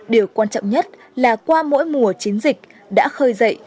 điều quan trọng nhất là qua mỗi mùa chiến dịch đã khơi dậy